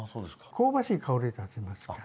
香ばしい香りが立ちますから。